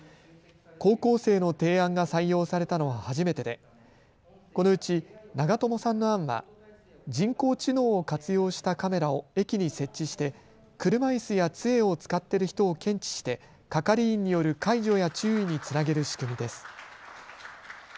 高校生の提案が採用されたのは初めてでこのうち長友さんの案は人工知能を活用したカメラを駅に設置して車いすやつえを使っている人を検知して係員による介助や注意につなげる仕組みです。